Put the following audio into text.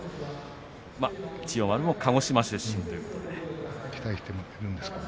千代丸も鹿児島出身ということで。